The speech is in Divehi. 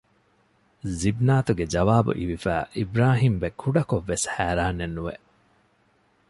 ޒިބްނާތުގެ ޖަވާބު އިވިފައި އިބްރާހީމްބެ ކުޑަކޮށްވެސް ހައިރާނެއްނުވެ